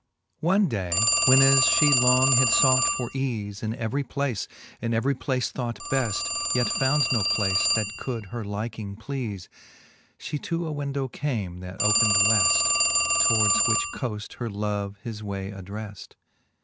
VII. One day, when as fhe long had fought for eafe In every place, and every place thought beft, Yet found no place that could her liking pleale, She to a window came, that opened Weft, Towards which coaft her love his way addreft.